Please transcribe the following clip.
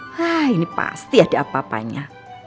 hah ini pasti ada apa apanya